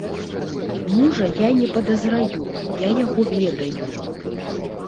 Мужа я не падазраю, я яго ведаю.